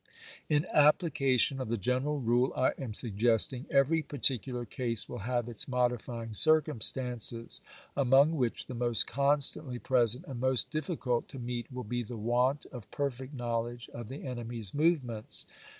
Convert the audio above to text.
In application of the general rule I am sug gesting, every particular case will have its modifying cir cumstances, among which the most constantly present and most difiicvilt to meet will be the want of perfect knowledge of the enemy's movements.